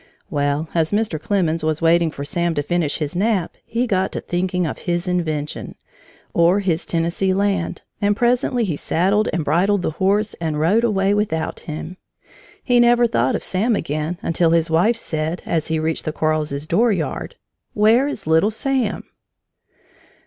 Well, as Mr. Clemens was waiting for Sam to finish his nap, he got to thinking of his invention, or his Tennessee land, and presently he saddled and bridled the horse and rode away without him. He never thought of Sam again until his wife said, as he reached the Quarles's dooryard: "Where is little Sam?"